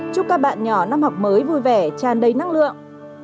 chúc các bạn nhỏ năm học mới vui vẻ tràn đầy năng lượng